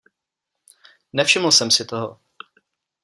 Nevšiml jsem si toho.